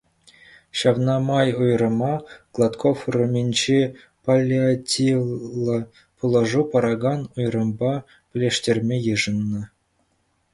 Ҫавна май уйрӑма Гладков урамӗнчи паллиативлӑ пулӑшу паракан уйрӑмпа пӗрлештерме йышӑннӑ.